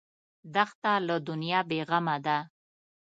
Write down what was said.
دښته له دنیا بېغمه ده.